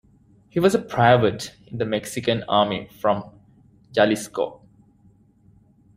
He was a private in the Mexican army from Jalisco.